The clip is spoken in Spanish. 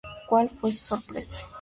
Cual fue su sorpresa.